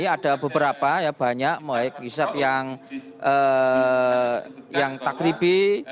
ada beberapa ya banyak baik hisap yang takribi